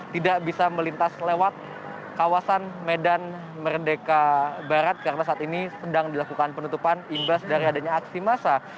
tidak bisa melintas lewat kawasan medan merdeka barat karena saat ini sedang dilakukan penutupan imbas dari adanya aksi massa